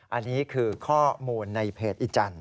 อันนี้คือข้อมูลในเพจอีจันท